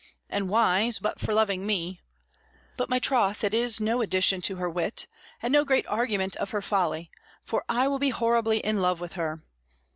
And wise; but for loving me. By my troth, it is no addition to her wit, and no great argument of her folly, for I will be horribly in love with her.